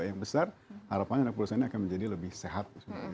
dengan customer base yang lebih besar harapannya anak perusahaan ini akan menjadi lebih sehat